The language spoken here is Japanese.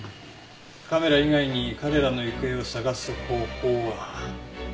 カメラ以外に彼らの行方を捜す方法は。